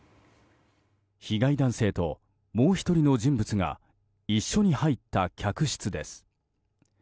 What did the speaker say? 被害男性ともう１人の人物が一緒に入った客室です。